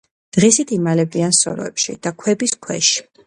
დღისით იმალებიან სოროებში და ქვების ქვეშ.